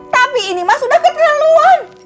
tapi ini ma sudah keterlaluan